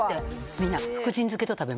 みんな。